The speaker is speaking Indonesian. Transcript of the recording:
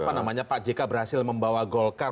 apa namanya pak jk berhasil membawa golkar